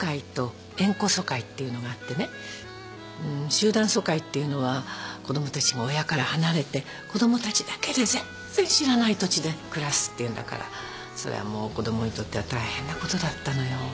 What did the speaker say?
集団疎開っていうのは子供たちが親から離れて子供たちだけで全然知らない土地で暮らすっていうんだからそりゃもう子供にとっては大変なことだったのよ。